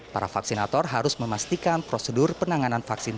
para vaksinator harus memastikan prosedur penanganan vaksin